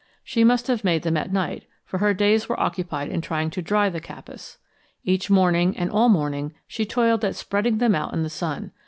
She must have made them at night, for her days were occupied in trying to dry the kapas. Each morning, and all morning, she toiled at spreading them out in the sun.